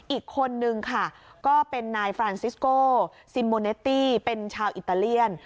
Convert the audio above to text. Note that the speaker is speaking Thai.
อีกคนนึงค่ะก็เป็นนายฟรานซิสโกซิมโมเนตตี้เป็นชาวอิตาเลียน